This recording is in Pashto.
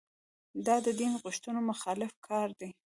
دا د دین غوښتنو مخالف کار دی.